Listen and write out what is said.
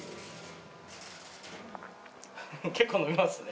結構飲みますね。